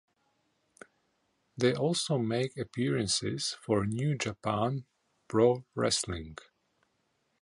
They also make appearances for New Japan Pro Wrestling.